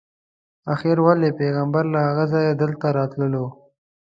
آخر ولې پیغمبر له هغه ځایه دلته راتللو.